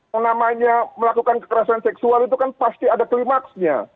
yang namanya melakukan kekerasan seksual itu kan pasti ada klimaksnya